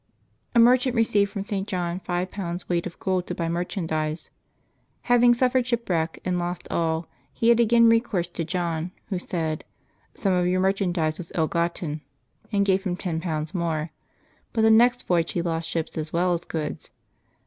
A merchant received from St. John five pounds weight of gold to buy merchandise. Having suffered ship wreck and lost all, he had again recourse to John, who said, "Some of your merchandise was ill gotten,'^ and gave him ten pounds more; but the next voyage he lost ship as well as goods.